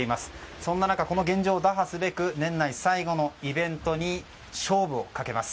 そんな中、この現状を打破すべく年内最後のイベントに勝負をかけます。